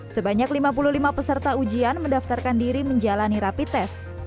sebanyak lima puluh lima peserta ujian mendaftarkan diri menjalani rapi tes